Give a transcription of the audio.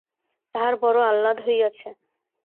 তাহার বড় আহ্লাদ হইয়াছে।